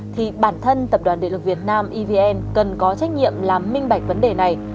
thì bản thân tập đoàn địa lực việt nam evn cần có trách nhiệm làm minh bạch vấn đề này